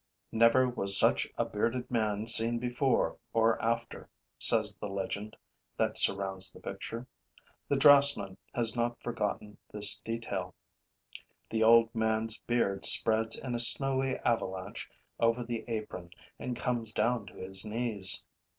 'Never was such a bearded man seen before or after,' says the legend that surrounds the picture. The draftsman has not forgotten this detail: the old man's beard spreads in a snowy avalanche over the apron and comes down to his knees.